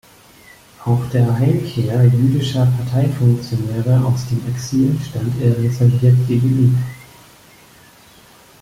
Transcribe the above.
Auch der Heimkehr jüdischer Parteifunktionäre aus dem Exil stand er reserviert gegenüber.